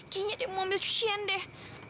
kayaknya ada yang mau ambil cucian deh